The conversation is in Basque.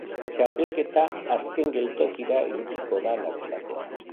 Txapelketa azken geltokira iritsiko da larunbatean.